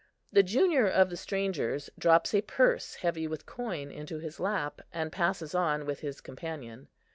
The junior of the strangers drops a purse heavy with coin into his lap, and passes on with his companion.